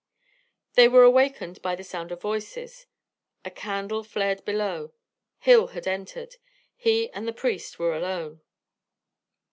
They were awakened by the sound of voices. A candle flared below. Hill had entered. He and the priest were alone.